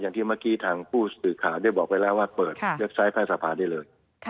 อย่างที่เมื่อกี้ทางผู้สื่อข่าวได้บอกไปแล้วว่าเปิดเว็บไซต์ใต้สะพานได้เลย